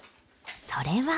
それは。